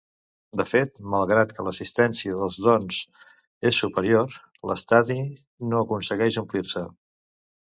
De fet, malgrat que l'assistència dels Dons és superior, l'estadi no aconsegueix omplir-se.